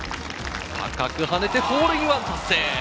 高く跳ねて、ホールインワン達成！